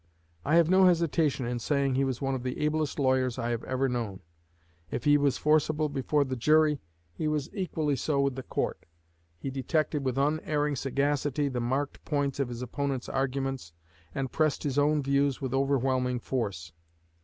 I have no hesitation in saying he was one of the ablest lawyers I have ever known. If he was forcible before the jury he was equally so with the court. He detected with unerring sagacity the marked points of his opponents' arguments, and pressed his own views with overwhelming force.